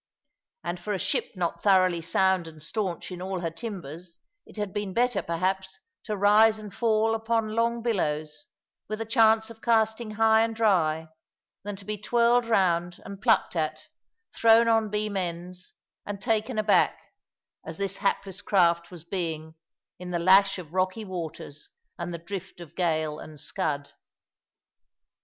And for a ship not thoroughly sound and stanch in all her timbers it had been better, perhaps, to rise and fall upon long billows, with a chance of casting high and dry, than to be twirled round and plucked at, thrown on beam ends, and taken aback, as this hapless craft was being, in the lash of rocky waters and the drift of gale and scud.